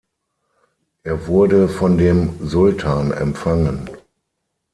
Er wurde von dem Sultan empfangen.